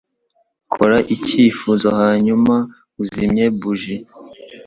Kora icyifuzo hanyuma uzimye buji.